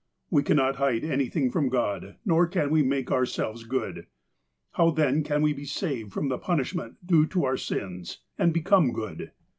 " We cannot hide anything from God, nor can we make ourselves good. '' How then can we be saved from the punishment due to oiu' sius, and become good